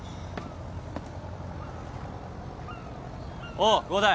おう伍代。